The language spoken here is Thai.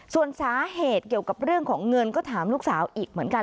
ส่วนสาเหตุเกี่ยวกับเรื่องของเงินก็ถามลูกสาวอีกเหมือนกัน